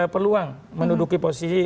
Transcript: peluang menuduki posisi